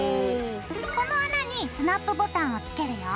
この穴にスナップボタンをつけるよ。